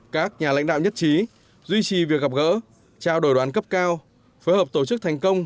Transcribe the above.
các nhà lãnh đạo nhất trí duy trì việc gặp gỡ trao đổi đoàn cấp cao phối hợp tổ chức thành công